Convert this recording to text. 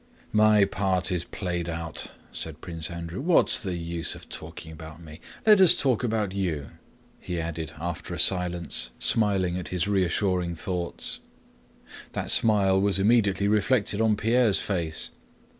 "My part is played out," said Prince Andrew. "What's the use of talking about me? Let us talk about you," he added after a silence, smiling at his reassuring thoughts. That smile was immediately reflected on Pierre's face.